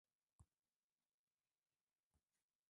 wa bara la Afrika ikipakana na Namibia ya Kidemokrasia ya